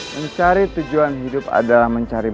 mencari tujuan hidup adalah mencari